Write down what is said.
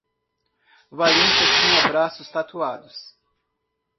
Valência tinha braços tatuados.